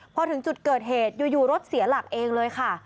พอถึงจุดเกิดเหตุอยู่รถเสียหลักเองเลยค่ะ